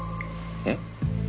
えっ？